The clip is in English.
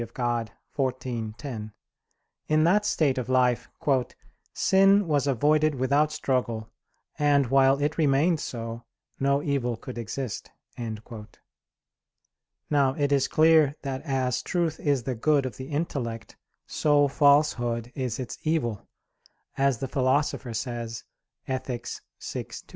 Dei xiv, 10), in that state of life "sin was avoided without struggle, and while it remained so, no evil could exist." Now it is clear that as truth is the good of the intellect, so falsehood is its evil, as the Philosopher says (Ethic. vi, 2).